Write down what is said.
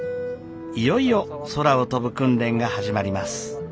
いよいよ空を飛ぶ訓練が始まります。